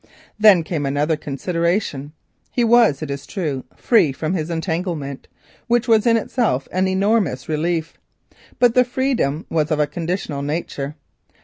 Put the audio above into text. Then came another consideration. He was, it is true, free from his entanglement, in itself an enormous relief, but the freedom was of a conditional nature.